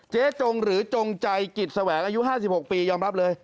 จงหรือจงใจกิจแสวงอายุ๕๖ปียอมรับเลย